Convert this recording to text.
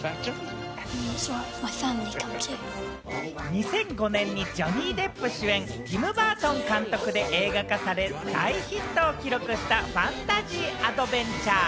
２００５年にジョニー・デップ主演、ティム・バートン監督で映画化され、大ヒットを記録したファンタジーアドベンチャー。